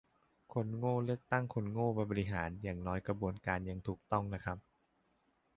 คนโง่เลือกตั้งคนโง่มาบริหาร อย่างน้อยกระบวนการยังถูกต้องนะครับ